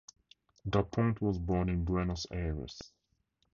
Daponte was born in Buenos Aires.